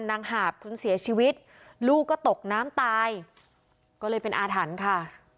หาบจนเสียชีวิตลูกก็ตกน้ำตายก็เลยเป็นอาถรรพ์ค่ะ